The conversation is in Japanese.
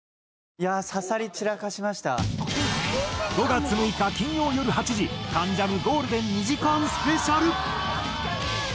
５月６日金曜よる８時『関ジャム』ゴールデン２時間スペシャル。